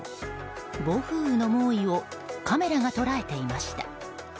暴風雨の猛威をカメラが捉えていました。